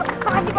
terima kasih pak